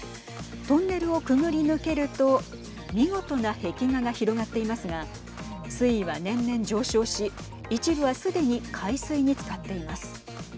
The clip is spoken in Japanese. トンネルをくぐり抜けると見事な壁画が広がっていますが水位は年々上昇し一部はすでに海水につかっています。